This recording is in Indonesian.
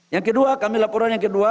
yang kedua kami laporan yang kedua